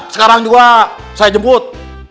si neng juga saya jemput